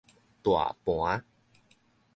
大盤